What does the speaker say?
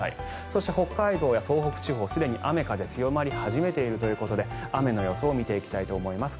そして、北海道や東北地方すでに雨、風強まり始めているということで雨の予想を見ていきたいと思います。